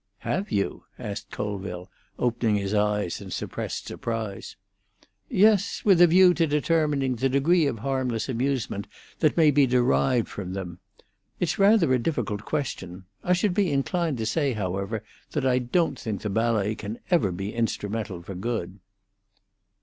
"Have you?" asked Colville, opening his eyes, in suppressed surprise. "Yes; with a view to determining the degree of harmless amusement that may be derived from them. It's rather a difficult question. I should be inclined to say, however, that I don't think the ballet can ever be instrumental for good."